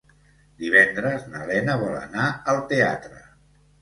Divendres na Lena vol anar al teatre.